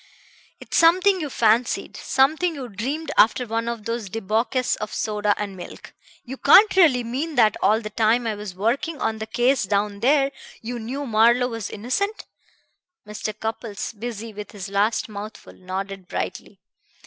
"It's something you fancied, something you dreamed after one of those debauches of soda and milk. You can't really mean that all the time I was working on the case down there you knew Marlowe was innocent." Mr. Cupples, busy with his last mouthful, nodded brightly.